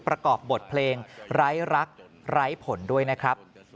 ประกอบบทเพลงไร้รักไร้ผลด้วยนะครับ